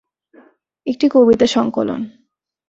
একটি কবিতা সংকলন।